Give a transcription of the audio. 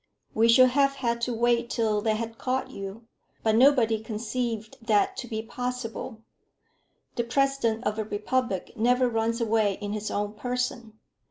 "We should have had to wait till they had caught you. But nobody conceived that to be possible. The President of a republic never runs away in his own person.